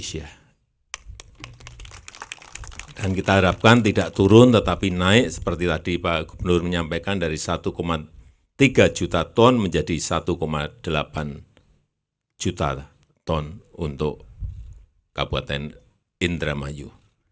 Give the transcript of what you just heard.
kita harapkan tidak turun tetapi naik seperti tadi pak gubernur menyampaikan dari satu tiga juta ton menjadi satu delapan juta ton untuk kabupaten indramayu